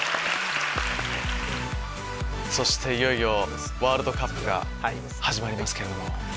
そしていよいよワールドカップが始まりますけど。